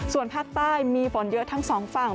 ส่วนภาคใต้มีฝนเยอะทั้งสองฝั่ง